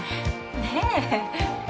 ねえ？